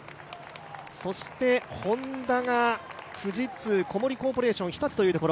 そしてＨｏｎｄａ、富士通、小森コーポレーション、日立というところ。